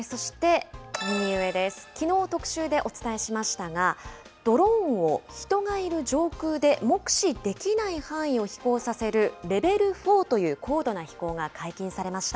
特集でお伝えしましたが、ドローンを人がいる上空で目視できない範囲を飛行させるレベル４という高度な飛行が解禁されました。